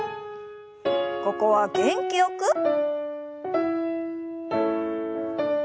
ここは元気よく。